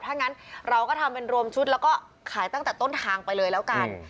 ถ้างั้นเราก็ทำเป็นรวมชุดแล้วก็ขายตั้งแต่ต้นทางไปเลยแล้วกัน